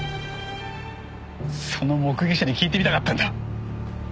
その目撃者に聞いてみたかったんだ。